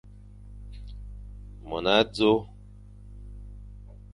Mon azo.